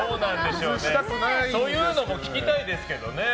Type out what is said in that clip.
そういうのも聞きたいですけどね。